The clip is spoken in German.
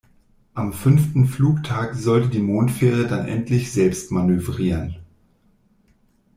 Am fünften Flugtag sollte die Mondfähre dann endlich selbst manövrieren.